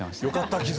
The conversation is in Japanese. よかった。